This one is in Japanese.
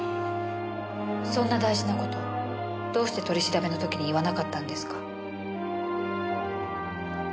そんな大事な事どうして取り調べの時に言わなかったんですか？